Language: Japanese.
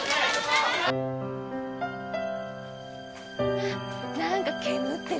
あっ何か煙ってる。